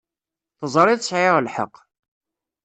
Teẓriḍ sɛiɣ lḥeqq.